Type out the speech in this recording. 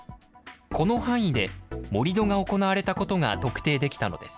この範囲で盛り土が行われたことが特定できたのです。